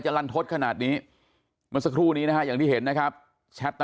ลันทศขนาดนี้เมื่อสักครู่นี้นะฮะอย่างที่เห็นนะครับแชท